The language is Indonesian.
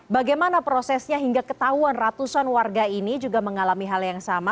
bagaimana prosesnya hingga ketahuan ratusan warga ini juga mengalami hal yang sama